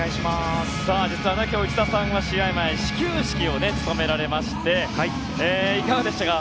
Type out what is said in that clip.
実は、今日、内田さんは試合前に始球式を務められましていかがでしたか？